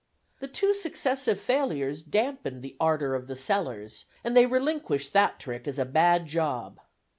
The two successive failures dampened the ardor of the "sellers," and they relinquished that trick as a bad job.